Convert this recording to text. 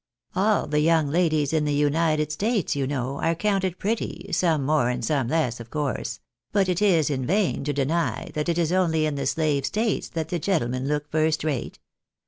All the young ladies in the United States, you know, are counted pretty, some more, and some less, of course ; but it is in vain to deny that it is only in the slave states that the gentlemen look first rate.